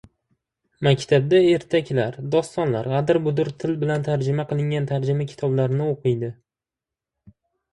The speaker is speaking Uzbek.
maktabda ertaklar, dostonlar, g‘adir-budir til bilan tarjima qilingan tarjima kitoblarini o‘qiydi.